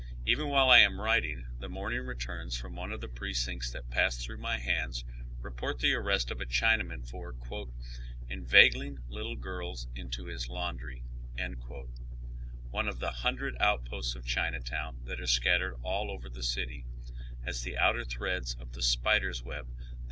Even wliile I am writing, the morning returns from one of the pi'ecincta that pass through my hands report the arrest of a China man for " inveigling little girls into hia laundry," one of the hundred outposts of Chinatown that are scattered ail over the city, as the outer threads of the spider's web that